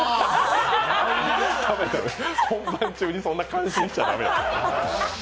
本番中にそんな感心しちゃ駄目よ。